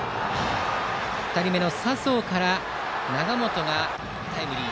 ２人目の佐宗から永本がタイムリー。